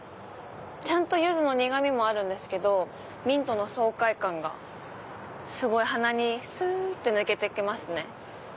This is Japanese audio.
ちゃんとユズの苦みもあるんですけどミントの爽快感がすごい鼻にすって抜けてきますね。